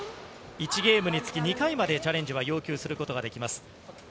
１ゲームにつき２回までチャレンジは要求することができます。